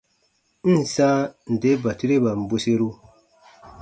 N ǹ sãa nde batureban bweseru.